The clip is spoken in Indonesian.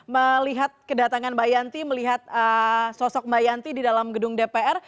melihat kedatangan mbak yanti melihat sosok mbak yanti di dalam gedung dpr